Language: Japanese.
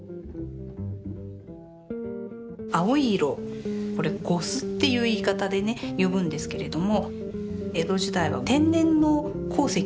青い色これ呉須っていう言い方でね呼ぶんですけれども。